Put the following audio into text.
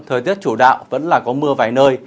thời tiết chủ đạo vẫn là có mưa vài nơi